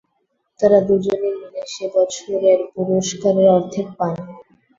তারা দুজনে মিলে সে বছরের পুরস্কারের অর্ধেক পান।